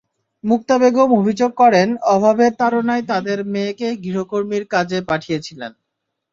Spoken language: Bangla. মুক্তা বেগম অভিযোগ করেন, অভাবের তাড়নায় তাঁদের মেয়েকে গৃহকর্মীর কাজে পাঠিয়েছিলেন।